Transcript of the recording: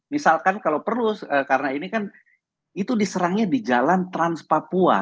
misalkan kalau perlu karena ini kan itu diserangnya di jalan trans papua